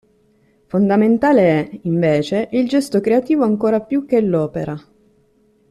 Fondamentale è, invece, il gesto creativo ancora più che l'opera.